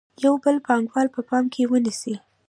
یو بل پانګوال په پام کې ونیسئ